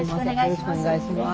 よろしくお願いします。